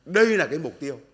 đây là cái mục tiêu